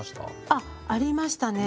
あありましたね